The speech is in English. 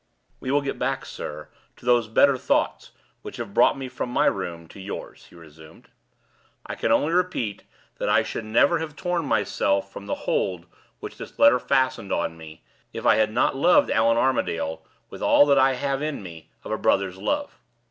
"We will get back, sir, to those better thoughts which have brought me from my room to yours," he resumed. "I can only repeat that I should never have torn myself from the hold which this letter fastened on me, if I had not loved Allan Armadale with all that I have in me of a brother's love.